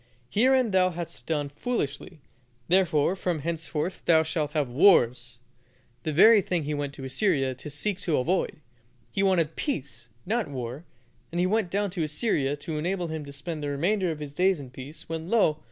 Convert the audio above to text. Herein thou hast done foolishly; therefore from henceforth thou shalt have wars" the very thing he went to Assyria to seek to avoid. He wanted peace, not war, and he went down to Assyria to enable him to spend the remainder of his days in peace, when, lo!